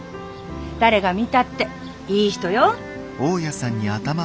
誰が見たっていい人よ。